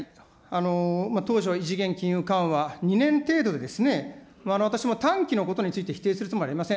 当初は異次元緩和２年程度で、私も短期のことについて否定するつもりはありません。